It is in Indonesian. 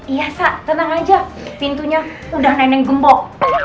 iya sak tenang aja pintunya udah neneng gembok